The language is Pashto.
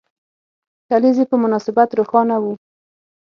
کلیزې په مناسبت روښانه وو.